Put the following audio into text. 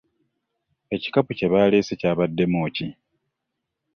Ekikapu kye baaleese kyabaddemu ki?